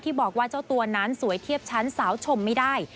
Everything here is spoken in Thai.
บอกว่าเจ้าตัวนั้นสวยเทียบชั้นสาวชมไม่ได้